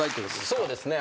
そうですね。